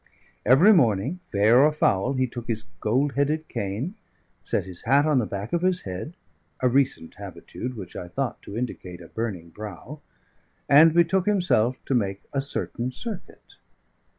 Every morning, fair or foul, he took his gold headed cane, set his hat on the back of his head a recent habitude, which I thought to indicate a burning brow and betook himself to make a certain circuit.